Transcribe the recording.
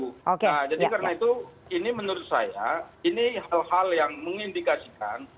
nah jadi karena itu ini menurut saya ini hal hal yang mengindikasikan